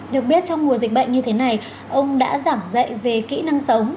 được biết trong mùa dịch bệnh như thế này ông đã giảng dạy về kỹ năng sống